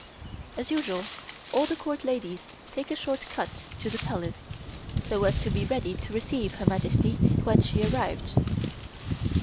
As usual, all the Court ladies take a short cut to the Palace, so as to be ready to receive Her Majesty, when she arrived.